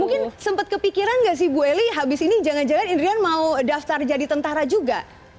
mungkin sempat kepikiran gak sih bu eli habis ini jangan jangan indrian mau daftar jadi tentara juga